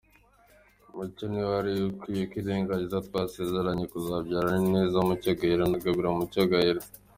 Mucyo ntiwari ukwiriye kwirengagiza ko twasezeranye kuzabyarana Ineza Mucyo Gaella na Gabiro Mucyo Gaella.